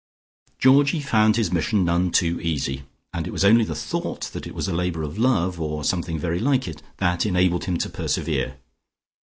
Georgie found his mission none too easy, and it was only the thought that it was a labour of love, or something very like it, that enabled him to persevere.